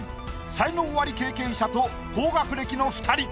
才能アリ経験者と高学歴の二人。